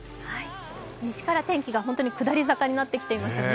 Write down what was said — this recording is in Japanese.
西から天気が本当に下り坂になってきていますよね。